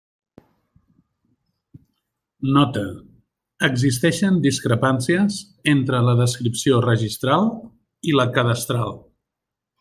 Nota: existeixen discrepàncies entre la descripció registral i la cadastral.